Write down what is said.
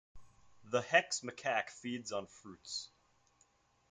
The Heck's macaque feeds on fruits.